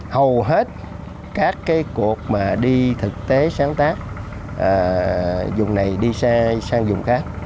hầu hết các cái cuộc mà đi thực tế sáng tác dùng này đi xe sang dùng khác